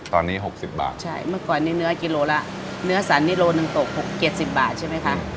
ตอนนี้๖๐บาทใช่เมื่อก่อนนี้เนื้อกิโลละเนื้อสันนิโลหนึ่งตก๖๗๐บาทใช่ไหมคะ